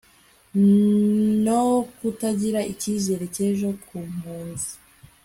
no kutagira icyizere cy'ejo ku mpunzi